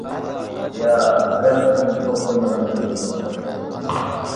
يا بىرەر قېتىم توپ ئوينىغىنىنى كۆرگىلى بولمايتتى.